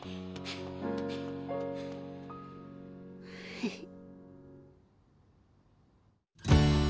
フフッ。